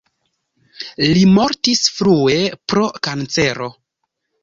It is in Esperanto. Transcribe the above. Li mortis frue pro kancero.